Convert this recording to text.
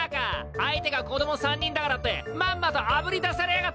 相手が子供３人だからってまんまとあぶり出されやがって。